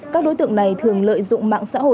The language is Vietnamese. các đối tượng này thường lợi dụng mạng sách